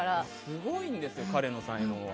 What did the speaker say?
すごいんですよ、彼の才能。